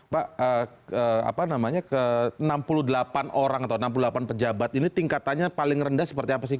pak apa namanya ke enam puluh delapan orang atau enam puluh delapan pejabat ini tingkatannya paling rendah seperti apa sih